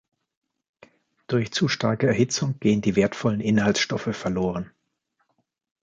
Durch zu starke Erhitzung gehen die wertvollen Inhaltsstoffe verloren.